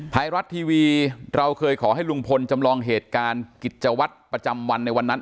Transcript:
ไทยรัฐทีวีเราเคยขอให้ลุงพลจำลองเหตุการณ์กิจวัตรประจำวันในวันนั้น